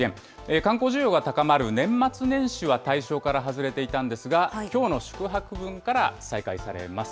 観光需要が高まる年末年始は対象から外れていたんですが、きょうの宿泊分から再開されます。